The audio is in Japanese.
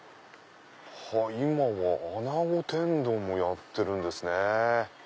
今は穴子天丼もやってるんですね。